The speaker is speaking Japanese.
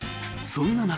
そんな中。